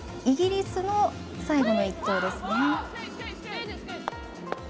イギリスの最後の１投ですね。